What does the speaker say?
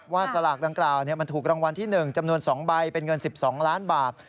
สลากดังกล่าวมันถูกรางวัลที่๑จำนวน๒ใบเป็นเงิน๑๒ล้านบาท